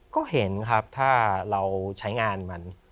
ก็เห็นครับถ้าเราใช้งานมัน